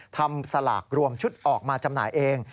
สลากรวมชุดออกมาจำหน่ายเอง